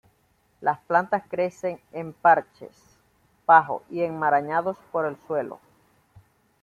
Las plantas crecen en parches bajos y enmarañados por el suelo.